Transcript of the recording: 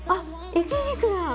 イチジクだ！